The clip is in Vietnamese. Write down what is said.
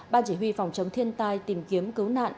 ban chỉ huy phòng chống thiên tai tìm kiếm cứu nạn